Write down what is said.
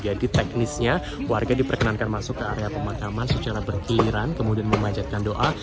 jadi teknisnya warga diperkenankan masuk ke area pemakaman secara berkiliran kemudian memajatkan doa